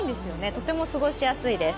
とても過ごしやすいです。